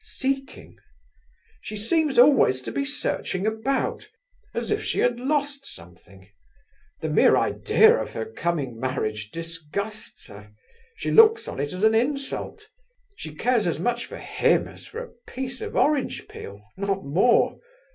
"Seeking?" "She seems always to be searching about, as if she had lost something. The mere idea of her coming marriage disgusts her; she looks on it as an insult. She cares as much for him as for a piece of orange peel—not more.